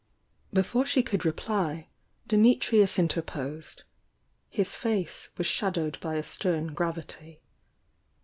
Before she could reply, Dimitrius interposed, — his face was shadowed by a stern gravity.